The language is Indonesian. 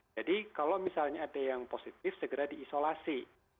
jadi kalau misalnya ada yang positif segera diisolasi